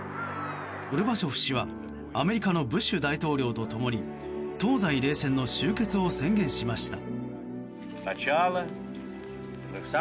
ゴルバチョフ氏はアメリカのブッシュ大統領と共に東西冷戦の終結を宣言しました。